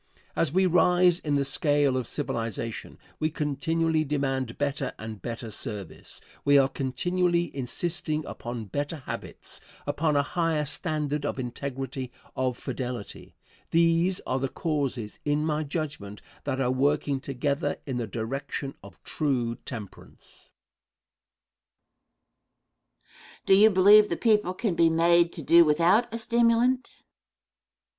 As we rise in the scale of civilization we continually demand better and better service. We are continually insisting upon better habits, upon a higher standard of integrity, of fidelity. These are the causes, in my judgment, that are working together in the direction of true temperance. Question. Do you believe the people can be made to do without a stimulant? Answer.